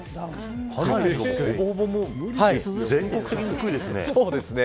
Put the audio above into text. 全国的に低いですね。